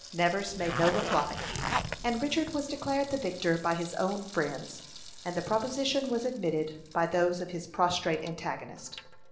Nevers made no reply, and Richard was declared the victor by his own friends, and the proposition was admitted by those of his prostrate antagonist.